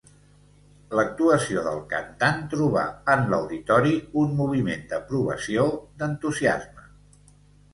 L'actuació del cantant trobà, en l'auditori, un moviment d'aprovació, d'entusiasme.